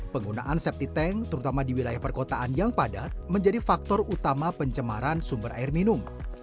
penggunaan septi tank terutama di wilayah perkotaan yang padat menjadi faktor utama pencemaran sumber air minum